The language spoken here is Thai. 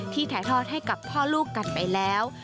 ถ่ายทอดให้กับพ่อลูกกันไปแล้ว